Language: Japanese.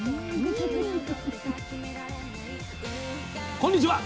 こんにちは。